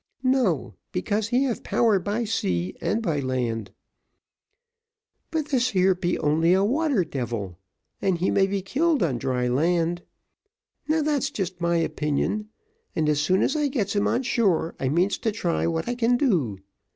No; because he have power by sea and by land: but this here be only a water devil, and he may be killed on dry land. Now, that's just my opinion, and as soon as I gets him on shore, I means to try what I can do.